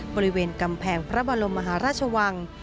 บริเวณกำแพงพระบรมมหาราชวัง